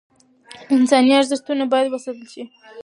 انساني ارزښتونه باید وساتل شي.